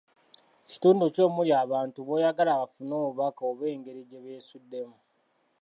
Kitundu ki omuli abantu b'oyagala bafune obubaka oba engeri gye beesuddemu,